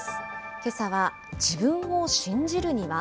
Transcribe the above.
けさは、自分を信じるには？